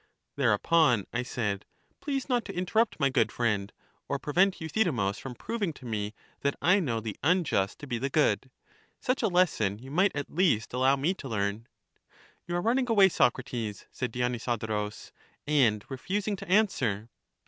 Thereupon I said, Please not to interrupt, my good friend, or prevent Euthydemus from proving to me that I know the unjust to be the good; such a lesson you might at least allow me to learn. You are running away, Socrates, said Dionysodo rus, and refusing to answer.